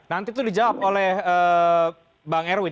nanti itu dijawab oleh bang erwin